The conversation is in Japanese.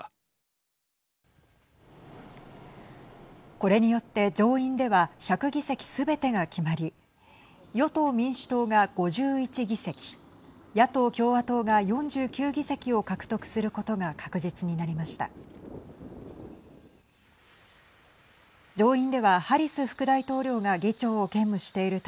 これによって上院では１００議席すべてが決まり与党・民主党が５１議席野党・共和党が４９議席を獲得することが確実になりました。